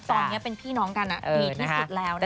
ตอนนี้เป็นพี่น้องกันดีที่สุดแล้วนะคะ